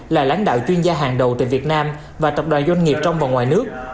là lãnh đạo chuyên gia hàng đầu tại việt nam và tập đoàn doanh nghiệp trong và ngoài nước